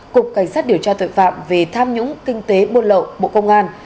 cục cảnh sát điều tra tội phạm về tham nhũng kinh tế buôn lậu bộ công an